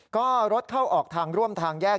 ก็รถเข้าออกทางร่วมทางแยก